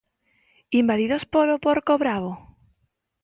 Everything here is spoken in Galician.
¿Invadidos polo porco bravo?